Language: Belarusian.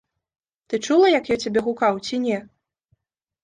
Ты чула, як я цябе гукаў, ці не?